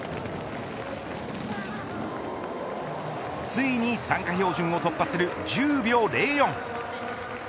ついに参加標準を突破する１０秒０４。